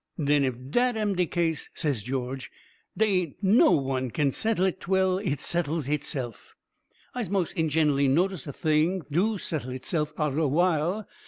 "Den if DAT am de case," says George, "dey ain't NO ONE kin settle hit twell hit settles hitse'f. "I'se mos' ingin'lly notice a thing DO settle hitse'f arter a while.